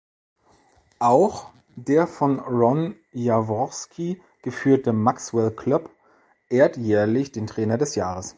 Auch der von Ron Jaworski geführte Maxwell Club ehrt jährlich den Trainer des Jahres.